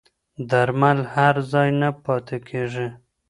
درمل هر ځای نه پیدا کېږي.